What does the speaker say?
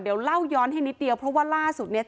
เดี๋ยวเล่าย้อนให้นิดเดียวเพราะว่าล่าสุดเนี่ย